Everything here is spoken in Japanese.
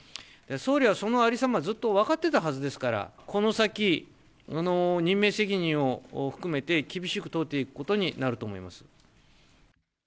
総理はその有様、ずっと分かってたはずですから、この先、任命責任を含めて、厳しく問うていくことになると思います。